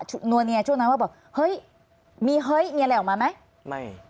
นัวเนียช่วงนั้นว่าแบบเฮ้ยมีเฮ้ยมีอะไรออกมาไหมไม่